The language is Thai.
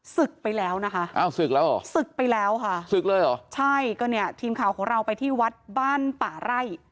ศึกไปแล้วนะคะศึกไปแล้วค่ะใช่ก็เนี่ยทีมข่าวของเราไปที่วัดบ้านป่าไร่